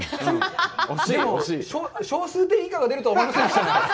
でも、小数点以下が出るとは思いませんでした。